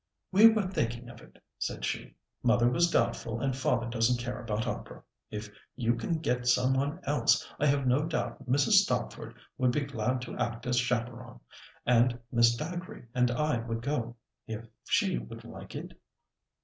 "We were thinking of it," said she. "Mother was doubtful, and father doesn't care about opera. If you can get some one else, I have no doubt Mrs. Stopford would be glad to act as chaperon, and Miss Dacre and I would go—if she would like it?"